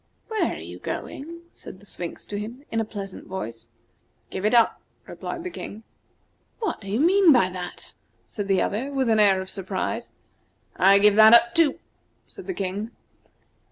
"Where are you going?" said the Sphinx to him, in a pleasant voice. "Give it up," replied the King. "What do you mean by that?" said the other, with an air of surprise. "I give that up, too," said the King.